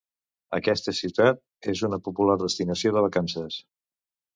Aquesta ciutat és una popular destinació de vacances.